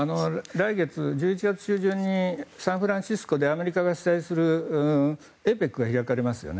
来月１１月中旬にサンフランシスコでアメリカが主催するＡＰＥＣが開かれますよね。